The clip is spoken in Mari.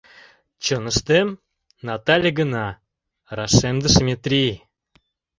— Чоныштем Натале гына, — рашемдыш Метрий.